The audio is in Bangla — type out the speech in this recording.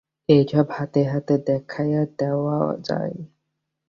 এইসব হাতে হাতে দেখাইয়া দেওয়া যায়।